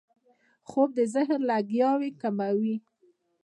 خوب د ذهن لګیاوي کموي